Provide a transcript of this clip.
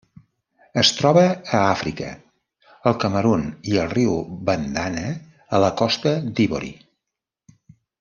Es troba a Àfrica: el Camerun i el riu Bandama a la Costa d'Ivori.